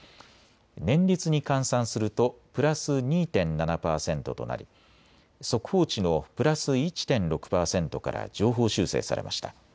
年率に換算するとプラス２．７％となり速報値のプラス１．６％から上方修正されました。